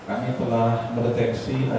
ada hal hal yang seperti itu